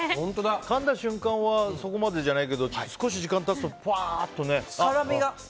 かんだ瞬間はそこまでじゃないけど少し時間が経つとふわっとね。